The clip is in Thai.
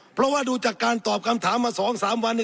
เพราะว่าดูจากการตอบคำถามมา๒๓วัน